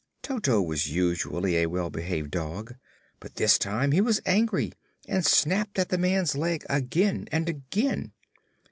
Toto was usually a well behaved dog, but this time he was angry and snapped at the man's leg again and again.